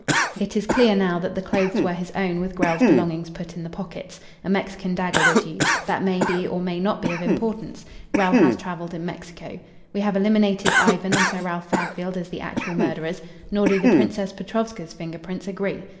It is clear now that the clothes were his own with Grell's belongings put in the pockets. A Mexican dagger was used. That may be or may not be of importance. Grell has travelled in Mexico. We have eliminated Ivan and Sir Ralph Fairfield as the actual murderers. Nor do the Princess Petrovska's finger prints agree.